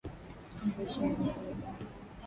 Malisho yenye miiba